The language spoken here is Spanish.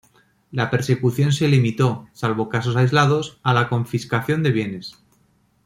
La persecución se limitó, salvo casos aislados, a la confiscación de bienes.